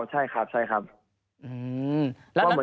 ใช่ครับใช่ครับ